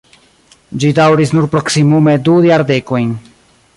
Ĝi daŭris nur proksimume du jardekojn.